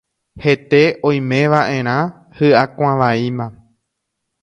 hete oimeva'erã hyakuãvaíma